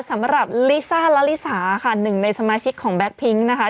สำหรับลิซ่าละลิสาค่ะหนึ่งในสมาชิกของแก๊กพิ้งนะคะ